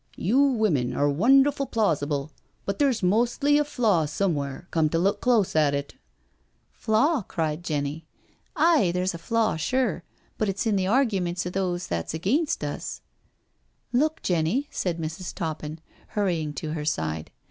" You women are wonderful plausible, but there's mostly a flaw somewhere, come to look close at it.*' "Flaw I" cried Jenny, "'Aye, there's a flaw sure, but it's in the arguments of those that's against us/* " Look, Jenny," said Mrs. Toppin, hurrying to her side.